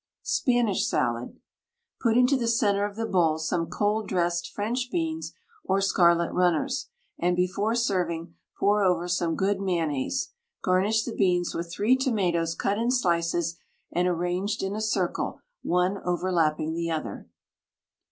SPANISH SALAD. Put into the centre of the bowl some cold dressed French beans or scarlet runners, and before serving pour over some good mayonnaise. Garnish the beans with three tomatoes cut in slices and arranged in a circle one overlapping the other.